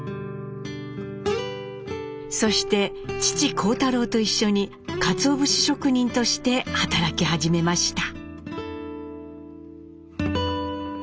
そして父・幸太郎と一緒にかつお節職人として働き始めました。